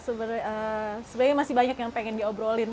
sebenarnya masih banyak yang pengen diobrolin